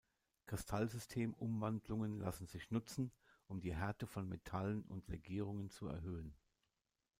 Kristallsystem-Umwandlungen lassen sich nutzen, um die Härte von Metallen und Legierungen zu erhöhen.